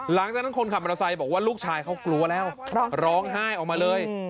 หลังจากนั้นคนขับมอเตอร์ไซค์บอกว่าลูกชายเขากลัวแล้วร้องไห้ออกมาเลย